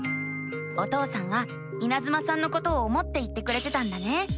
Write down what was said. お父さんはいなずまさんのことを思って言ってくれてたんだね。